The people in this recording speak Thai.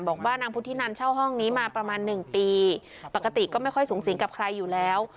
บอกว่านางพุทธินันเช่าห้องนี้มาประมาณหนึ่งปีปกติก็ไม่ค่อยสูงสิงกับใครอยู่แล้ว